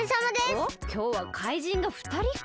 おっきょうはかいじんがふたりか。